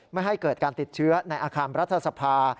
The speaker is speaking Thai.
ไม่ให้เกิดการติดเชื้อในอาคารรัฐสภา